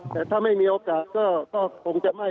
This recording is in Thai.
แต่ถ้าไม่มีโอกาสก็คงจะไม่